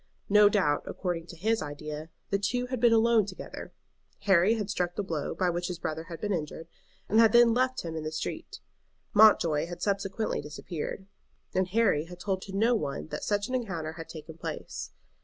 No doubt, according to his idea, the two had been alone together. Harry had struck the blow by which his brother had been injured, and had then left him in the street. Mountjoy had subsequently disappeared, and Harry had told to no one that such an encounter had taken place.